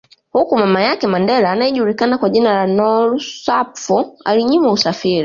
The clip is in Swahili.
Huku mama yake Mandela anaejulikana kwa jina la Nolusapho alinyimwa usafiri